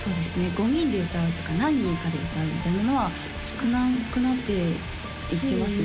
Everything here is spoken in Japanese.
５人で歌うとか何人かで歌うみたいなのは少なくなっていってますね